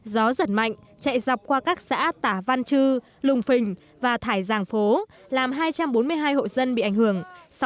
gió giật mạnh chạy dọc qua các xã tả văn chư lùng phình và thải giàng phố làm hai trăm bốn mươi hai hộ dân bị ảnh hưởng